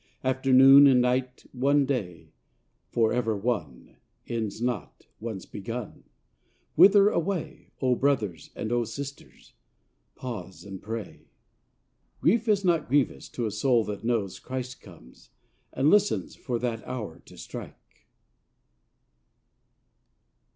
9 After noon and night, one day For ever one Ends not, once begun. Whither away, O brothers, and O sisters ? Pause and pray. Grief is not grievous to a soul that knows Christ comes, — and listens for that hour to strike.